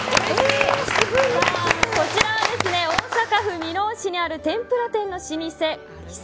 こちらは大阪府箕面市にある天ぷら店の老舗久國